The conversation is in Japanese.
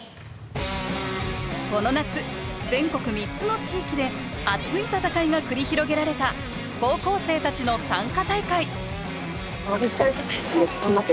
この夏全国３つの地域で熱い戦いが繰り広げられた高校生たちの短歌大会頑張った。